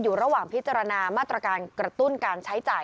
ระหว่างพิจารณามาตรการกระตุ้นการใช้จ่าย